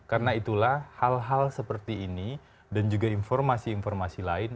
karena itulah hal hal seperti ini dan juga informasi informasi lain